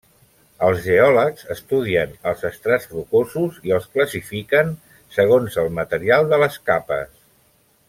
Els geòlegs estudien els estrats rocosos i els classifiquen segons el material de les capes.